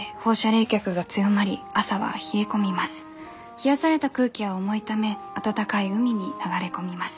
冷やされた空気は重いため暖かい海に流れ込みます。